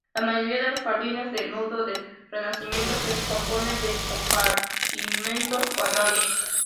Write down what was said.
La mayoría de los jardines de nudo del Renacimiento se componen de compartimentos cuadrados.